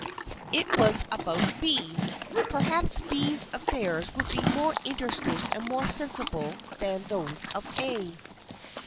It was about B. Perhaps B's af fairs would be more interesting and more sensible than those of A.